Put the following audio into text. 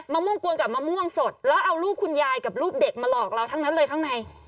ม่วงกวนกับมะม่วงสดแล้วเอารูปคุณยายกับรูปเด็กมาหลอกเราทั้งนั้นเลยข้างใน